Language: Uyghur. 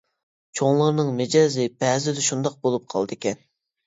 چوڭلارنىڭ مىجەزى بەزىدە شۇنداق بولۇپ قالىدىكەن.